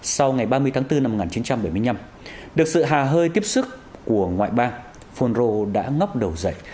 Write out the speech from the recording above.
sau ngày ba mươi tháng bốn năm một nghìn chín trăm bảy mươi năm được sự hà hơi tiếp xức của ngoại bang fonro đã ngóc đầu dậy